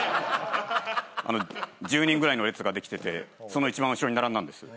１０人ぐらいの列ができててその一番後ろに並んだんです。